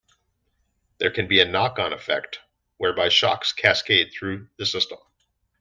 There can be a knock-on effect, whereby shocks cascade through the system.